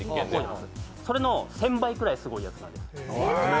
それの１０００倍ぐらいすごいやつです。